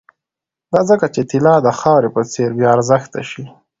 دا ځکه چې طلا د خاورې په څېر بې ارزښته شي